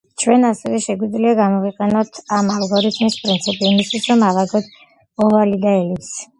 ჩვენ ასევე შეგვიძლია გამოვიყენოთ ამ ალგორითმის პრინციპი იმისათვის, რომ ავაგოთ ოვალი და ელიფსი.